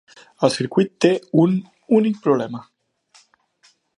El circuit té un únic problema.